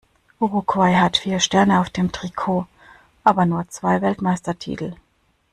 Uruguay hat vier Sterne auf dem Trikot, aber nur zwei Weltmeistertitel.